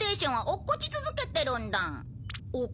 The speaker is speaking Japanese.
落っこち続けてる？